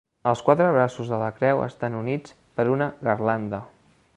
Els quatre braços de la creu estan units per una garlanda.